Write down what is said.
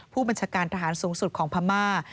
ผู้บัญชาการทหารสูงสุดของพม่า